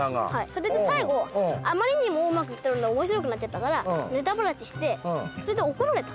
それで最後あまりにもうまくいったので面白くなっちゃったからネタばらししてそれで怒られた。